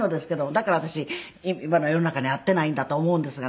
だから私今の世の中に合っていないんだと思うんですがね。